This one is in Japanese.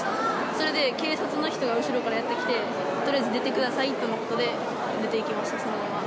それで、警察の人が後ろからやって来て、とりあえず出てくださいとのことで、出ていきました、そのまま。